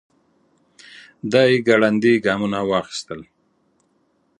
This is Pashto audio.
دی ګړندي ګامونه واخيستل.